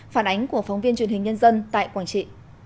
phản ánh của phóng viên truyền hình nhân dân tại quảng trị